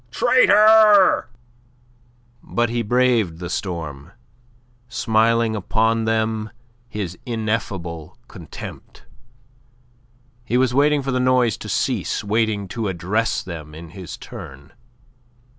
Traitor!" But he braved the storm, smiling upon them his ineffable contempt. He was waiting for the noise to cease; waiting to address them in his turn.